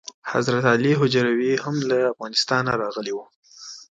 حضرت علي هجویري هم له افغانستانه راغلی و.